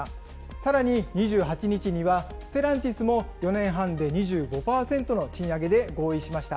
さらに２８日には、ステランティスも４年半で２５％の賃上げで合意しました。